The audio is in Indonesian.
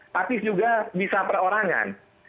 tapi juga bisa perorangan